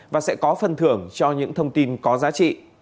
và sẽ có phần thưởng cho những thông tin có giá trị